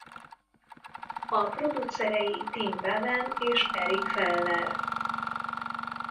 A producerei Tim Bevan és Eric Fellner.